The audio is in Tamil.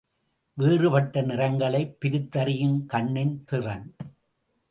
வேறுபட்ட நிறங்களைப் பிரித்தறியும் கண்ணின் திறன்.